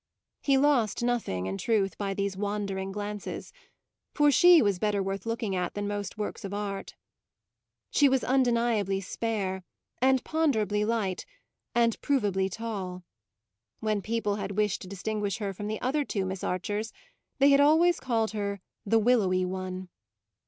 He lost nothing, in truth, by these wandering glances, for she was better worth looking at than most works of art. She was undeniably spare, and ponderably light, and proveably tall; when people had wished to distinguish her from the other two Miss Archers they had always called her the willowy one.